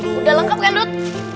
udah lengkap kan dod